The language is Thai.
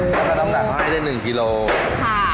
ก็เป็นน้ำหนักเขาให้ได้๑กิโลกรัม